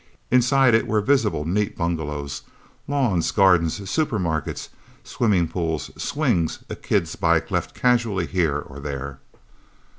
Inside it were visible neat bungalows, lawns, gardens, supermarket, swimming pools, swings, a kid's bike left casually here or there.